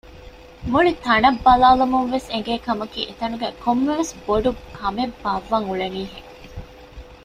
މުޅި ތަނަށް ބަލާލަުމުންވެސް އެނގޭ ކަމަކީ އެތަނުގައި ކޮންމެވެސް ބޮޑުކަމެއް ބާއްވަން އުޅެނީ ހެން